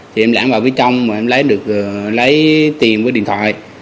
thì em lãng vào bên trong và em lấy được tiền với điện thoại